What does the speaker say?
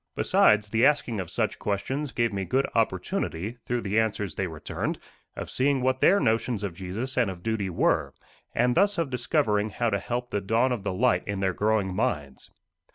Besides, the asking of such questions gave me good opportunity, through the answers they returned, of seeing what their notions of Jesus and of duty were, and thus of discovering how to help the dawn of the light in their growing minds.